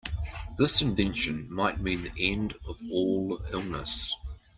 This invention might mean the end of all illness.